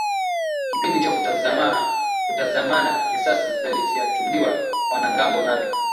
kipindi cha kutazamana risasi yalifyatuliwa wanamgambo nane